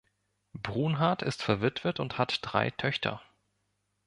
Brunhart ist verwitwet und hat drei Töchter.